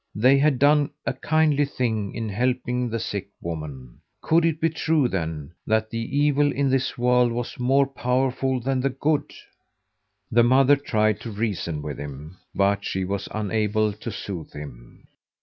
They had done a kindly thing in helping the sick woman. Could it be true, then, that the evil in this world was more powerful than the good? The mother tried to reason with him, but she was unable to soothe him.